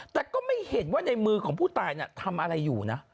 แต่ก็ไม่เห็นว่าในมือของผู้ตายทำอะไรอยู่นะ